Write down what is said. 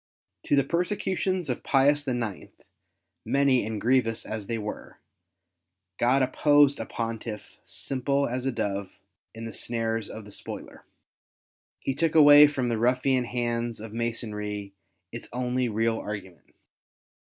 To the persecutions of Pius IX., many and grievous as they were, God opposed a Pontiff simple as a dove in the snares of the spoiler. He took away from the ruffian hands of Masonry its only real argument.